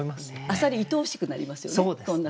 浅蜊いとおしくなりますよね。